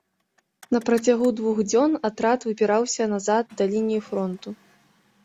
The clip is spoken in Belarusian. На працягу двух дзён атрад выбіраўся назад да лініі фронту.